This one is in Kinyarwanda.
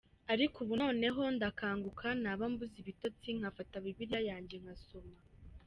Ariko ubu noneho ndakanguka naba mbuze ibitotsi nkafata Bibiliya yanjye nkasoma.